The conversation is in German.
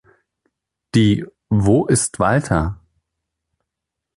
Die "Wo-ist-Walter?